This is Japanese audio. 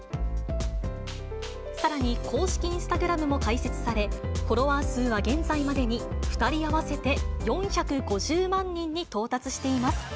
さらに公式インスタグラムも開設され、フォロワー数は現在までに、２人合わせて４５０万人に到達しています。